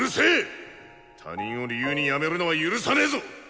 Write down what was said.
他人を理由に辞めるのは許さねえぞ！